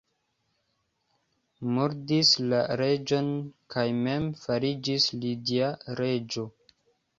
Murdis la reĝon kaj mem fariĝis lidia reĝo.